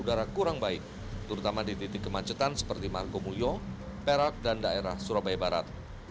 udara kurang baik terutama di titik kemacetan seperti margomulyo perak dan daerah surabaya barat